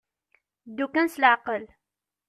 Ddu kan s leɛqel.